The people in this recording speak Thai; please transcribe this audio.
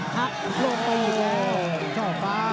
หลบไป